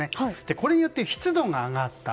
これによって湿度が上がった。